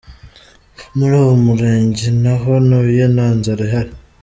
Muri uwo murenge ni ho ntuye, nta nzara ihari.